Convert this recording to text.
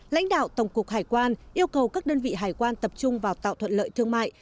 lãnh đạo tổng cục hải quan yêu cầu các đơn vị hải quan tập trung vào tạo thuận lợi thương mại